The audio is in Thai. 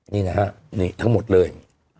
นี่นะฮะนี่ทั้งหมดเลย